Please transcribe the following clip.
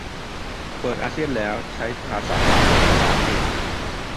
เปิดอาเซียนแล้ว ใช้ภาษากลางเป็นภาษาอังกฤษ